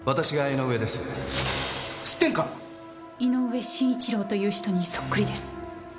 井上晋一郎という人にそっくりです。